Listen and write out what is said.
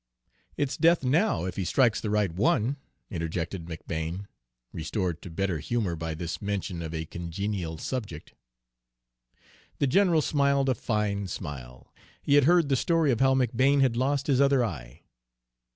"It's death now, if he strikes the right one," interjected McBane, restored to better humor by this mention of a congenial subject. The general smiled a fine smile. He had heard the story of how McBane had lost his other eye.